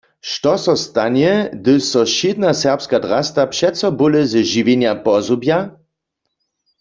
Što so stanje, hdyž so wšědna serbska drasta přeco bóle ze žiwjenja pozhubja?